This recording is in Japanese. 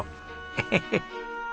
エヘヘッ。